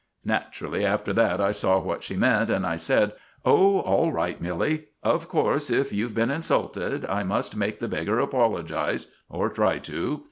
Naturally, after that I saw what she meant, and I said, 'Oh, all right, Milly; of course, if you've been insulted, I must make the beggar apologize or try to.